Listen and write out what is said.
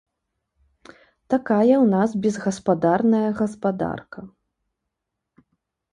Такая ў нас безгаспадарная гаспадарка.